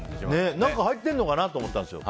何か入ってるのかなって思ったんですよ。